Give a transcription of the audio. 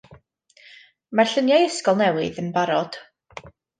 Mae'r lluniau ysgol newydd yn barod.